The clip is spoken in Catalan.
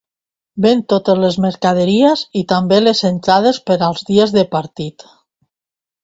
Ven totes les mercaderies, i també les entrades per als dies de partit.